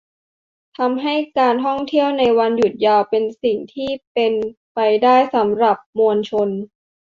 ทำให้การท่องเที่ยวในวันหยุดยาวเป็นสิ่งที่เป็นไปได้สำหรับมวลชน